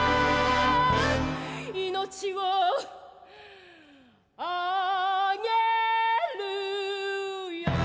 「命をあげるよ」